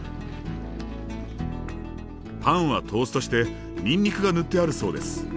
パンはトーストしてにんにくが塗ってあるそうです。